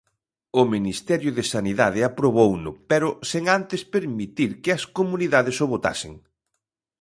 O Ministerio de Sanidade aprobouno pero sen antes permitir que as comunidades o votasen.